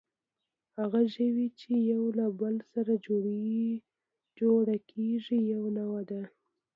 هغه ژوي، چې یو له بل سره جوړه کېږي، یوه نوعه ده.